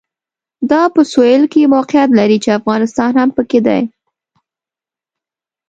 دا په سوېل کې موقعیت لري چې افغانستان هم پکې دی.